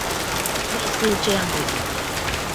類似這樣的語言